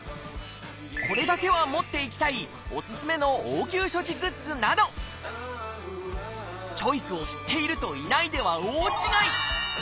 これだけは持って行きたいおすすめの応急処置グッズなどチョイスを知っているといないでは大違い！